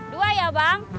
dua ya bang